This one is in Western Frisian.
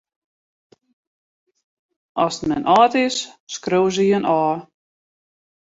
Ast men âld is, skriuwe se jin ôf.